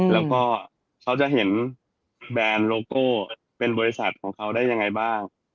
แล้วก็เขาจะเห็นแบรนด์โลโก้เป็นบริษัทของเขาได้ยังไงบ้าง